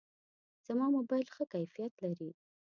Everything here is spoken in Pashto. زما موبایل ښه کیفیت لري.